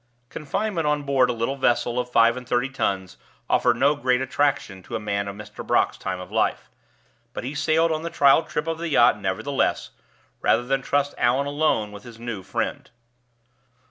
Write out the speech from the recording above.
Confinement on board a little vessel of five and thirty tons offered no great attraction to a man of Mr. Brock's time of life. But he sailed on the trial trip of the yacht nevertheless, rather than trust Allan alone with his new friend.